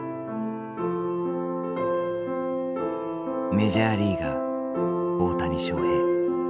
メジャーリーガー大谷翔平。